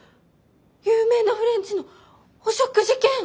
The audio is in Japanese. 有名なフレンチのお食事券！